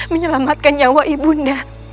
menyelamatkan nyawa ibu undang